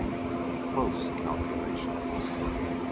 CLOSE CALCULATIONS.